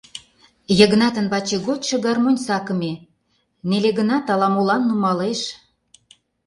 Йыгнатын ваче гочшо гармонь сакыме, неле гынат, ала-молан нумалеш.